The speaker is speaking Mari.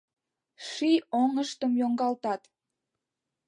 Ший оҥыштым йоҥгалтат